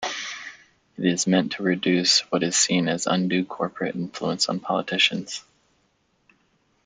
It is meant to reduce what is seen as undue corporate influence on politicians.